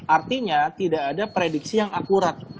artinya tidak ada prediksi yang akurat